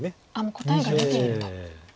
もう答えが出ていると。